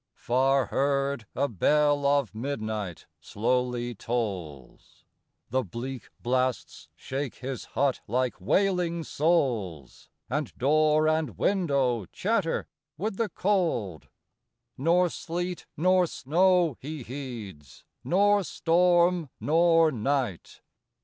Far heard a bell of midnight slowly tolls: The bleak blasts shake his hut like wailing souls, And door and window chatter with the cold. Nor sleet nor snow he heeds, nor storm nor night.